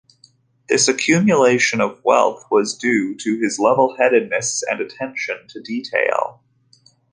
This accumulation of wealth was due to his level-headedness and attention to detail.